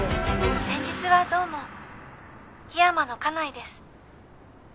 先日はどうも桧山の家内です。